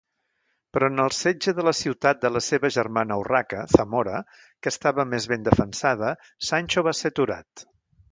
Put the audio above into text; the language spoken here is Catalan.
Però en el setge de la ciutat de la seva germana Urraca, Zamora, que estava més ben defensada, Sancho va ser aturat.